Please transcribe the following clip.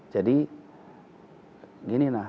jadi gini nah